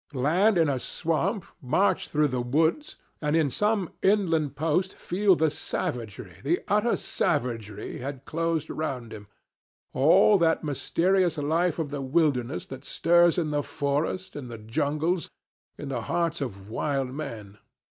Land in a swamp, march through the woods, and in some inland post feel the savagery, the utter savagery, had closed round him, all that mysterious life of the wilderness that stirs in the forest, in the jungles, in the hearts of wild men.